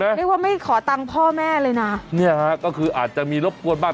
เรียกว่าไม่ขอตังค์พ่อแม่เลยนะเนี่ยฮะก็คืออาจจะมีรบกวนบ้าง